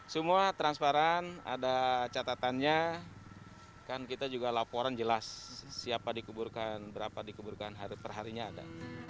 semua transparan ada catatannya kan kita juga laporan jelas siapa dikeburkan berapa dikeburkan hari per harinya ada